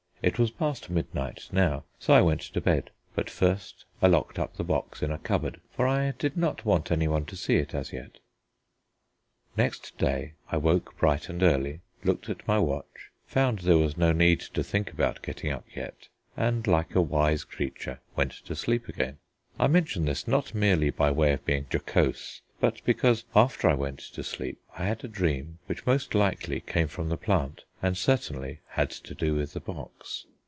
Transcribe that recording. It was past midnight now, so I went to bed: but first I locked up the box in a cupboard, for I did not want anyone to see it as yet. Next day I woke bright and early, looked at my watch, found there was no need to think about getting up yet, and, like a wise creature, went to sleep again. I mention this, not merely by way of being jocose, but because after I went to sleep I had a dream which most likely came from the plant and certainly had to do with the box.